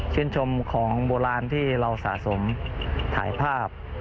ชมของโบราณที่เราสะสมถ่ายภาพ